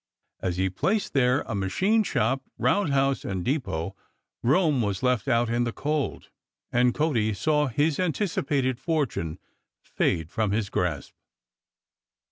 As he placed there a machine shop, round house, and depot, Rome was left out in the cold, and Cody saw his anticipated fortune fade from his grasp.